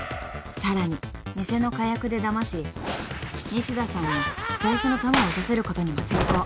［さらに偽の火薬でだまし西田さんに最初の弾を撃たせることにも成功］